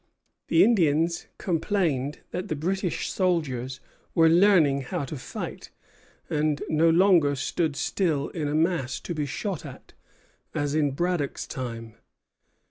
The Indians complained that the British soldiers were learning how to fight, and no longer stood still in a mass to be shot at, as in Braddock's time.